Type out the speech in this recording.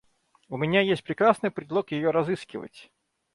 У меня есть прекрасный предлог ее разыскивать.